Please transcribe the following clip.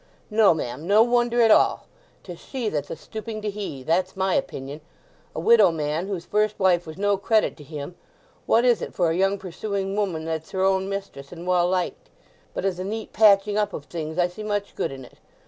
"No, ma'am, no wonder at all. 'Tis she that's a stooping to he—that's my opinion. A widow man—whose first wife was no credit to him—what is it for a young perusing woman that's her own mistress and well liked? But as a neat patching up of things I see much good in it.